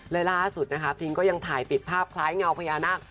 และล่าสุดนะคะพิงก็ยังถ่ายปิดภาพคล้ายเงาพญานาค